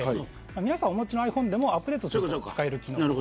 皆さんのお持ちのｉＰｈｏｎｅでもアップデートで使える機能。